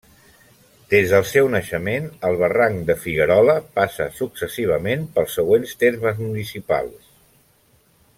Des del seu naixement, el Barranc de Figuerola passa successivament pels següents termes municipals.